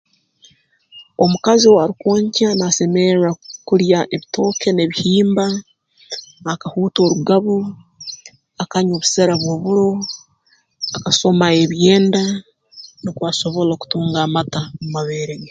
Omukazi owaarukwonkya naasemerra kulya ebitooke n'ebihimba akahuuta orugabu akanywa obusera bw'oburo akasoma ebyenda nukwo asobole okutunga amata mu mabere ge